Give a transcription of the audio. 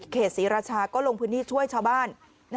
ศรีราชาก็ลงพื้นที่ช่วยชาวบ้าน